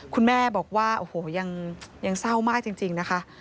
คุณแม่บอกว่าโอ้โหยังเศร้ามากจริงนะคะ